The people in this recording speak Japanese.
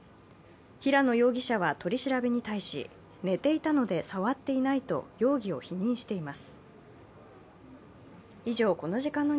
平野容疑者は取り調べに対し寝ていたので触っていないと容疑を否認しています。